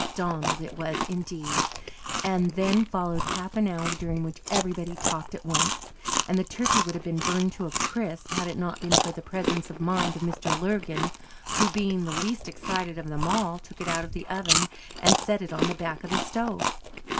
Donald it was indeed. And then followed half an hour during which everybody talked at once, and the turkey would have been burned to a crisp had it not been for the presence of mind of Mr. Lurgan who, being the least excited of them all, took it out of the oven, and set it on the back of the stove.